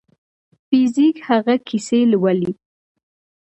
فزیک هغه کیسې لولي.